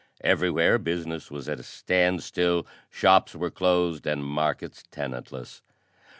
Everywhere business was at a standstill, shops were closed and markets tenantless.